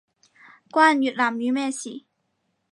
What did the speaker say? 關越南語咩事